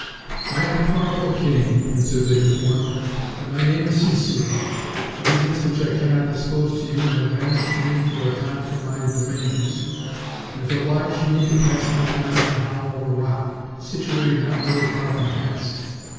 "I am a powerful king," answered the deformed, "and my name is Sincere; reasons, which I cannot disclose to you, have banished me for a time from my dominions; and have obliged me to pass my time in the hollow of a rock, situated not very far from hence.